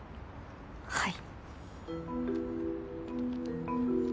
はい。